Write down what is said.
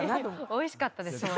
おいしかったです。